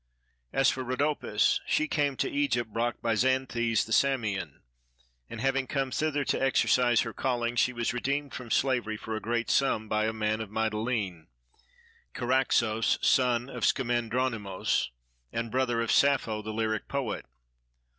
As for Rhodopis, she came to Egypt brought by Xanthes the Samian, and having come thither to exercise her calling she was redeemed from slavery for a great sum by a man of Mytilene, Charaxos son of Scamandronymos and brother of Sappho the lyric poet.